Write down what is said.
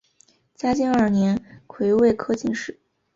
嘉靖二年癸未科进士。